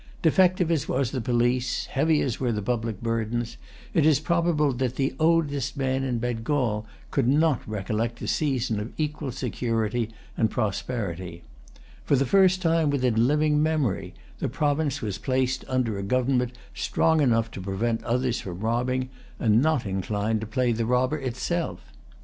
Defective as was the police, heavy as were the public burdens, it is probable that the oldest man in Bengal could not recollect a season of equal security and prosperity. For the first time within living memory, the province was placed under a government strong enough to prevent others from robbing, and not inclined to play the robber itself.